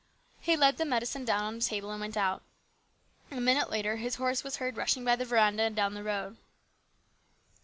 He laid the medicine down on a table and went out. A minute later his horse was heard rushing by the veranda and down the road.